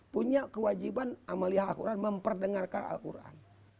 punya kewajiban amaliyah al qur'an memperdengarkan al qur'an